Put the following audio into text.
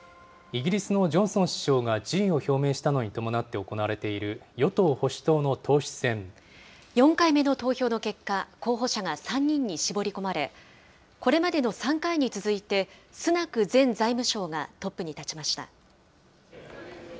イギリスのジョンソン首相が辞意を表明したのに伴って行われ４回目の投票の結果、候補者が３人に絞り込まれ、これまでの３回に続いて、スナク前財務相がトップに立ちました。